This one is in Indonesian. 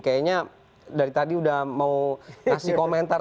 kayaknya dari tadi udah mau kasih komentar